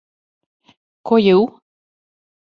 Ко је у?